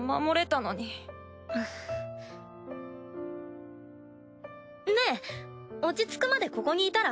ア。ねえ落ち着くまでここにいたら？